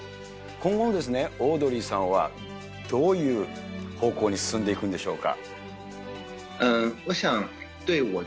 今後のオードリーさんは、どういう方向に進んでいくんでしょうか。